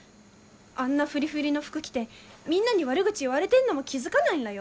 あんなフリフリの服着てみんなに悪口言われてんのも気付かないんらよ。